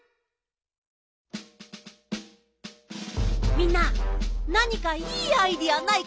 みんななにかいいアイデアないかな？